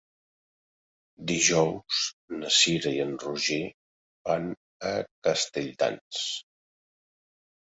Dijous na Cira i en Roger van a Castelldans.